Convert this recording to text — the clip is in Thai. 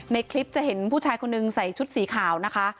ในคลิปจะเห็นผู้ชายคนนึงใส่ชุดสีขาวนะคะ